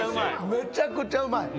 めちゃくちゃうまい。